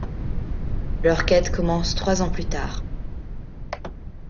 Leur quête commence trois ans plus tard.